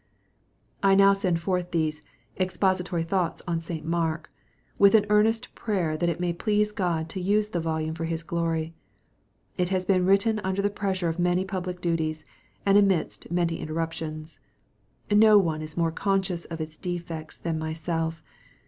I now send forth these "Expository Thoughts on St. Mark" with an earnest prayer that it may please God to use the volume for His glory. It has been written under the pressure of many public duties, and amidst many inter ruptions. ~No one is more conscious of its defects than myself.